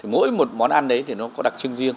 mỗi một món ăn đấy thì nó có đặc trưng riêng